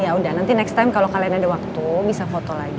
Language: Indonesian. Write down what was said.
ya udah nanti next time kalau kalian ada waktu bisa foto lagi